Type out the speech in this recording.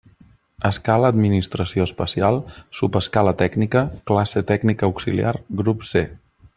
Escala administració especial, subescala tècnica, classe tècnic auxiliar, grup C.